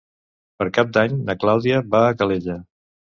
Per Cap d'Any na Clàudia va a Calella.